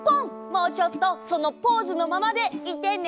もうちょっとそのポーズのままでいてね。